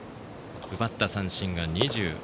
奪った三振が２０。